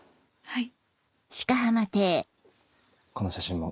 はい。